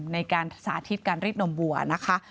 ในการสาธิตการรีดนมบัวนะคะ